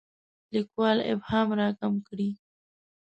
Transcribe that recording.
لیکوال ابهام راکم کړي.